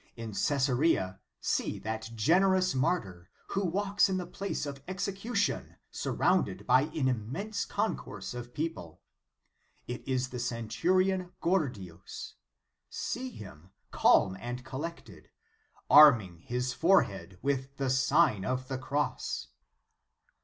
In Caesarea, see that generous martyr, who walks to the place of execution surrounded by an immense concourse of people. It is the centurion Gordius. See him, calm and collected, arming his forehead with the Sign of the Cross.